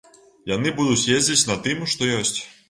Яны будуць ездзіць на тым, што ёсць.